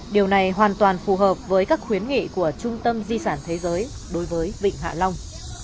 điều này hoàn toàn phù hợp với các khuyến nghị của trung tâm di sản thế giới đối với vịnh hạ long